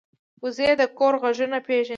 وزې د کور غږونه پېژني